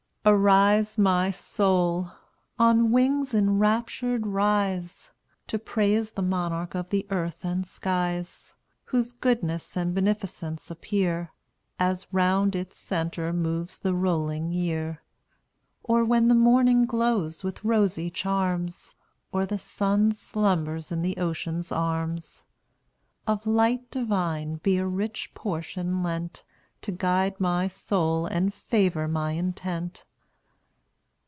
] Arise, my soul! on wings enraptured rise, To praise the Monarch of the earth and skies, Whose goodness and beneficence appear, As round its centre moves the rolling year; Or when the morning glows with rosy charms, Or the sun slumbers in the ocean's arms. Of light divine be a rich portion lent, To guide my soul and favor my intent.